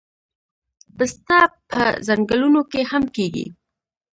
پسته په ځنګلونو کې هم کیږي